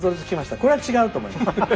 これは違うと思います。